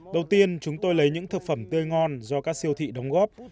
đầu tiên chúng tôi lấy những thực phẩm tươi ngon do các siêu thị đóng góp